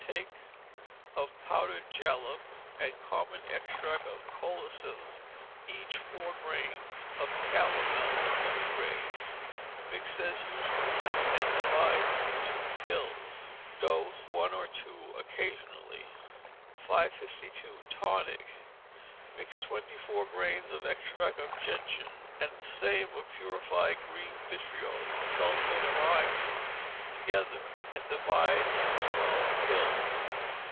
Take of powdered jalap and compound extract of colocynth each four grains, of calomel two grains, mix as usual, and divide into two pills. Dose, one or two occasionally. 552. Tonic. Mix twenty four grains of extract of gentian and the same of purified green vitriol (sulphate of iron) together, and divide into twelve pills.